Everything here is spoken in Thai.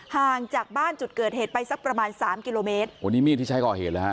ห่างจากบ้านจุดเกิดเหตุไปสักประมาณสามกิโลเมตรโอ้นี่มีดที่ใช้ก่อเหตุเลยฮ